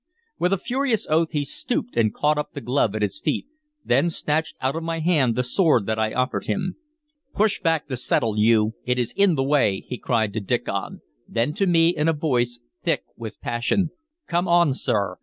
With a furious oath he stooped and caught up the glove at his feet; then snatched out of my hand the sword that I offered him. "Push back the settle, you; it is in the way!" he cried to Diccon; then to me, in a voice thick with passion: "Come on, sir!